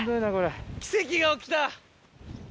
奇跡が起きた！